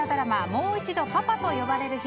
「もう一度パパと呼ばれる日」